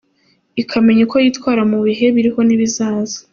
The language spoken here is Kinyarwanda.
Ikamenya uko yitwara mu bihe biriho n’ibizaza.